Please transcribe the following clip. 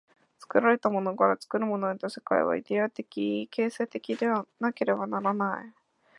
作られたものから作るものへと、世界はイデヤ的形成的でなければならない。